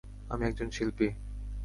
আমি একজন শিল্পী।